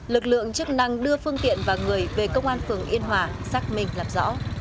lực lượng một trăm bốn mươi một tiến hành ngăn chặn và xử lý